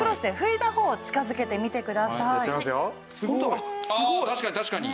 ああ確かに確かに！